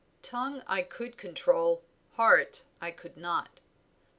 "Tongue I could control, heart I could not.